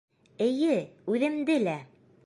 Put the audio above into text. Эйе, үҙемде лә!